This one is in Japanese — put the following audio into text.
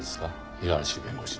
五十嵐弁護士に。